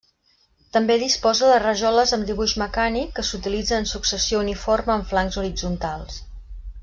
També disposa de rajoles amb dibuix mecànic que s'utilitza en successió uniforme en flancs horitzontals.